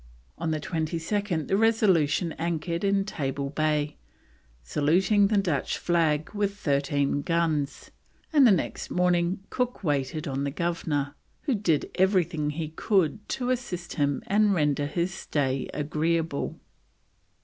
On the 22nd the Resolution anchored in Table Bay, saluting the Dutch flag with thirteen guns, and the next morning Cook waited on the Governor, who did everything he could to assist him and render his stay agreeable.